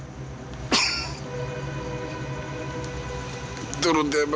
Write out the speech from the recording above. itu p sandiarkan dis computer